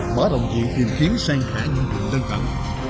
bởi động viện tìm kiếm sang khả nguyên vụ nâng cẩm